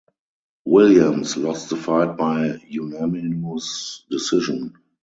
Williams lost the fight by unanimous decision.